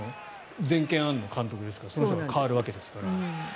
全権あるのは監督ですからその人が代わるわけですから。